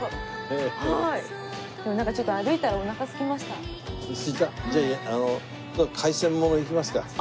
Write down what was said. でもちょっと歩いたらおなかすきました。